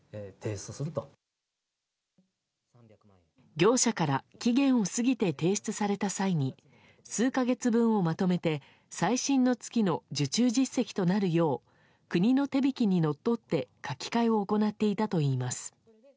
業者から期限を過ぎて提出された際に数か月分をまとめて最新の月の受注実績となるよう国の手引きにのっとって書き換えを行っていたといいます。